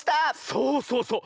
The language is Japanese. そうそうそう。